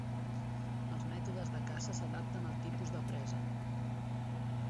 Els mètodes de caça s'adapten al tipus de presa.